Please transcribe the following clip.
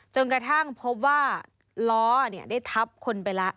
จนกระทั่งพบว่าร้อเนี่ยได้ทับลงไปละ